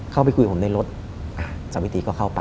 เข้าไปคุยกับผมในรถ